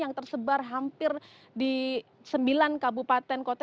yang tersebar hampir di sembilan kabupaten kota